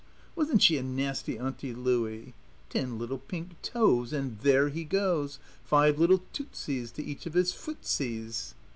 Wasn't she a nasty Auntie Louie? Ten little pink toes. And there he goes. Five little tootsies to each of his footsies."